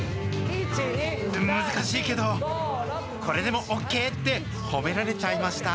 難しいけど、これでもＯＫって、褒められちゃいました。